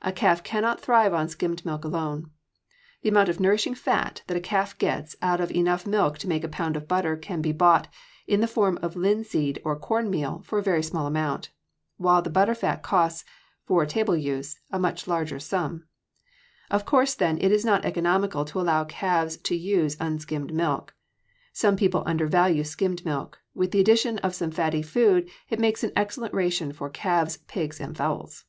A calf cannot thrive on skimmed milk alone. The amount of nourishing fat that a calf gets out of enough milk to make a pound of butter can be bought, in the form of linseed or corn meal, for a very small amount, while the butter fat costs, for table use, a much larger sum. Of course, then, it is not economical to allow calves to use unskimmed milk. Some people undervalue skimmed milk; with the addition of some fatty food it makes an excellent ration for calves, pigs, and fowls.